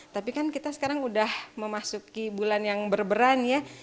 tapi kan kita sekarang sudah memasuki bulan yang berberan ya